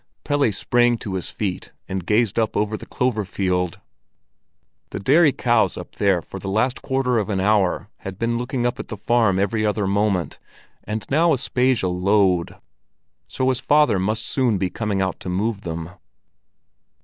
Pelle sprang to his feet and gazed up over the clover field. The dairy cows up there for the last quarter of an hour had been looking up at the farm every other moment, and now Aspasia lowed, so his father must soon be coming out to move them.